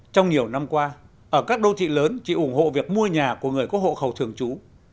trong nhiều năm qua ở các đô thị lớn chị ủng hộ việc mua nhà của người có hộ khẩu thường trú